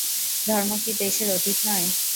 ধর্ম কি দেশের অতীত নয়?